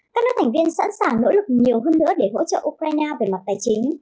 các nước thành viên sẵn sàng nỗ lực nhiều hơn nữa để hỗ trợ ukraine về mặt tài chính